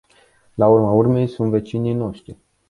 La urma urmei, sunt vecinii noștri.